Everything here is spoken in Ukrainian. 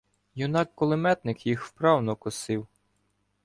Юнак-кулеметник їх вправно косив.